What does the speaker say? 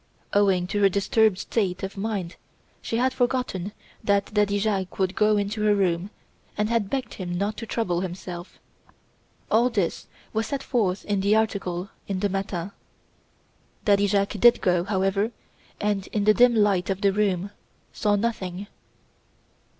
Owing to her disturbed state of mind she had forgotten that Daddy Jacques would go into her room and had begged him not to trouble himself. All this was set forth in the article in the 'Matin.' Daddy Jacques did go, however, and, in the dim light of the room, saw nothing.